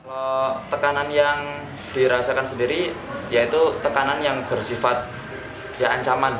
untuk tekanan yang dirasakan sendiri yaitu tekanan yang bersifat ya ancaman